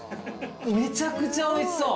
めちゃくちゃおいしそう。